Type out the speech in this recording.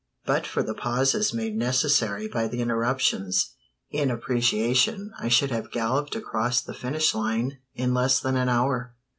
But for the pauses made necessary by the interruptions in appreciation I should have galloped across the finish line in less than an hour.